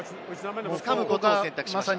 掴むことを選択しました。